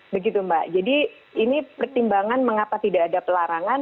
begitu mbak jadi ini pertimbangan mengapa tidak ada pelarangan